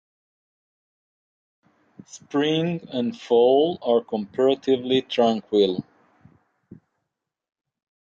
Spring and fall are comparatively tranquil.